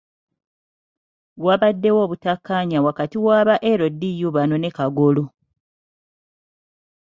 Wabaddewo obutakkanya wakati waba LDU bano ne Kagolo.